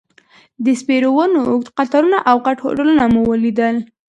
د سپیرو ونو اوږد قطارونه او غټ هوټلونه مو لیدل.